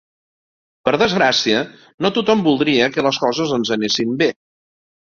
Per desgràcia, no tothom voldria que les coses ens anessin bé.